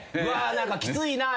何かきついな。